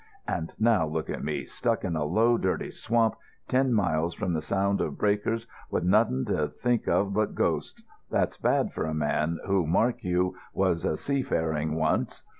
And now look at me, stuck in a low, dirty swamp ten miles from the sound of breakers, wi' nothing to think of but ghosts. That's bad for a man who, mark you, was a seafaring once.